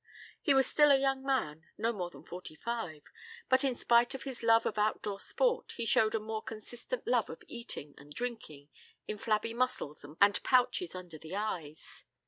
He was still a young man, not more than forty five, but in spite of his love of outdoor sport he showed a more consistent love of eating and drinking in flabby muscles and pouches under the eyes.